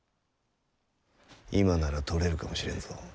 今なら取れるかもしれんぞ。